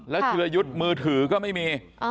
ธีรยุทธ์มือถือก็ไม่มี